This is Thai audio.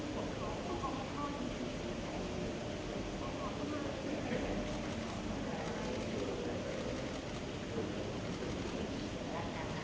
สวัสดีครับสวัสดีครับ